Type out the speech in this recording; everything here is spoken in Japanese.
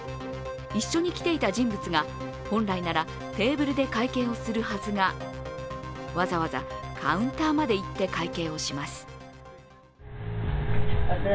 一緒に来ていた人物が、本来はテーブルで会計をするはずがわざわざカウンターまで行って会計をします。